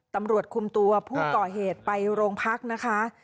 ตำรวจคุมตัวผู้ก่อเหตุไปโรงพักนะคะ